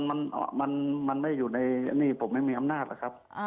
สำรวจมันไม่อยู่ในนี่ผมไม่มีคำนาจหรือครับ